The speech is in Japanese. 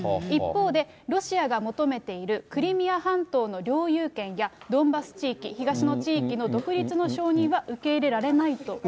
一方で、ロシアが求めているクリミア半島の領有権や、ドンバス地域、東の地域の独立の承認は受け入れられないと。